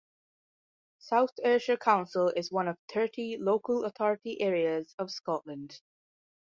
South Ayrshire Council is one of thirty local authority areas of Scotland.